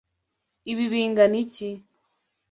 Ibi bingana iki?